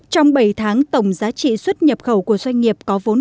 trong bảy tháng tổng giá trị xuất nhập khẩu của doanh nghiệp có vốn